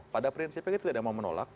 pada prinsipnya kita tidak mau menolak